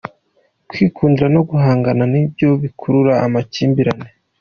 Kwikunda no guhangana ni byo bikurura amakimbirane.